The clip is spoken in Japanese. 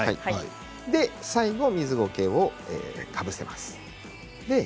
最後水ごけをかぶせます。